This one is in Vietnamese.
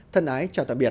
thân ái chào tạm biệt